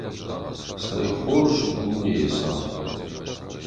Цӕй хорз у дунейы цард!